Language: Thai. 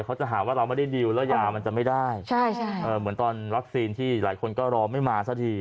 เขาจะหาว่าเราไม่ได้ดิวแล้วยามันจะไม่ได้ใช่ใช่เหมือนตอนวัคซีนที่หลายคนก็รอไม่มาสักที